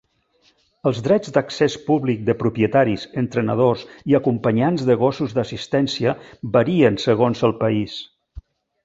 Els drets d'accés públic de propietaris, entrenadors i acompanyants de gossos d'assistència varien segons el país.